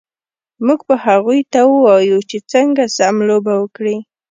موږ به هغوی ته ووایو چې څنګه سم لوبه وکړي